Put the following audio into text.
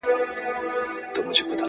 فېشن د هر نوي دور جامه ده